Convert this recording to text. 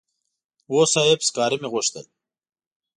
هو صاحب سکاره مې غوښتل.